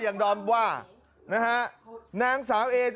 การนอนไม่จำเป็นต้องมีอะไรกัน